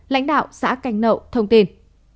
lãnh đạo xã canh nậu thông tin